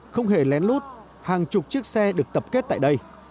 không hề lén lút hàng chục chiếc xe được tập kết tại đây